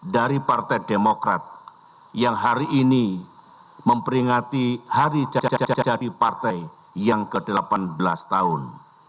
dari partai demokrat yang hari ini memperingati hari jajadi partai yang ke delapan belas tahun